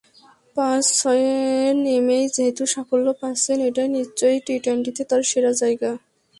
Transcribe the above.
পাঁচ-ছয়ে নেমেই যেহেতু সাফল্য পাচ্ছেন, এটাই নিশ্চয়ই টি-টোয়েন্টিতে তার সেরা জায়গা।